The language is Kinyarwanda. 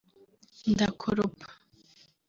ndakoropa